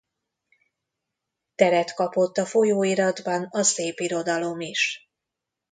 Teret kapott a folyóiratban a szépirodalom is.